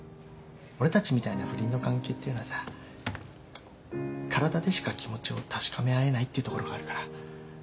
俺たちみたいな不倫の関係っていうのはさ体でしか気持ちを確かめ合えないっていうところがあるから。